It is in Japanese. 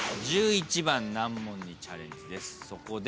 １１番難問にチャレンジです。